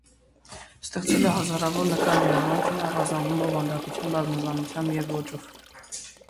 Ստեղծել է հազարավոր նկարներ, որոնք չեն առանձնանում բովանդակության բազմազանությամբ և ոճով։